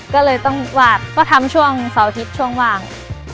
ก็เลยต้องวาดก็ทำช่วงเสาร์อาทิตย์ช่วงว่าง